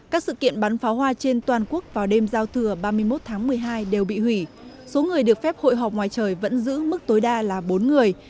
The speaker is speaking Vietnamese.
các sự kiện bắn pháo hoa trên toàn quốc vào đêm giao thừa ba mươi một tháng một mươi hai đều bị hủy số người được phép hội họp ngoài trời vẫn giữ mức tối đa là bốn người